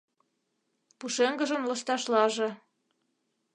Пушеҥгыжын лышташлаже